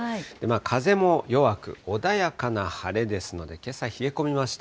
風も弱く、穏やかな晴れですので、けさ冷え込みました。